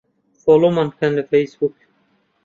فۆلۆومان بکەن لە فەیسبووک.